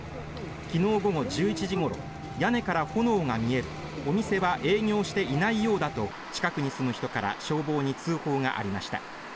きのう午後１１時ごろ屋根から炎が見えるお店は営業していないようだと近くに住む人から消防に通報がありました。